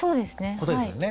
ことですよね？